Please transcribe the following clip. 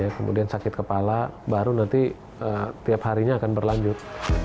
kemudian sakit kepala baru nanti tiap harinya akan berlanjut